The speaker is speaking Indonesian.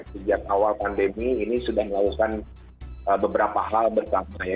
sejak awal pandemi ini sudah melakukan beberapa hal bersama ya